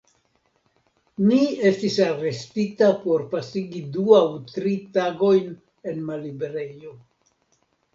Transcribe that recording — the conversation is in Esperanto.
Mi estis arestita por pasigi du aŭ tri tagojn en malliberejo.